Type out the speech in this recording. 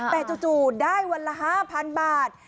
แต่จู่ได้วันละ๕๐๐๐บาท